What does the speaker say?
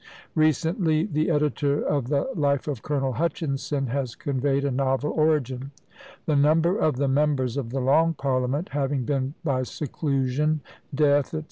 Recently the editor of the Life of Colonel Hutchinson has conveyed a novel origin. "The number of the members of the Long Parliament having been by seclusion, death, &c.